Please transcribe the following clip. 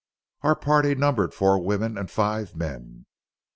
Our party numbered four women and five men.